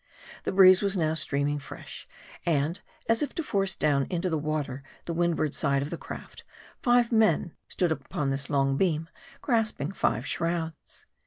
The breeze was now streaming fresh ; and, as if to force down into the water the windward side of the craft, five men stood upon this long beam, grasping five shrouds.